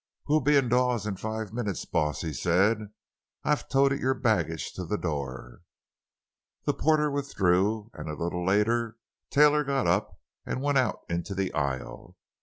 "We'll be in Dawes in five minutes, boss," he said. "I've toted your baggage to the door." The porter withdrew, and a little later Taylor got up and went out into the aisle.